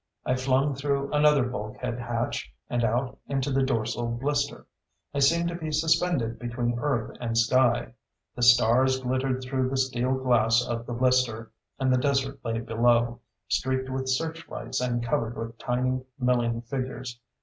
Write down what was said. I flung through another bulkhead hatch and out into the dorsal blister. I seemed to be suspended between Earth and sky. The stars glittered through the steelglass of the blister, and the desert lay below, streaked with searchlights and covered with tiny milling figures.